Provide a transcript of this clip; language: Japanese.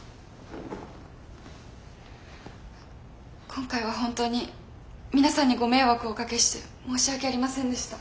今回は本当に皆さんにご迷惑をおかけして申し訳ありませんでした。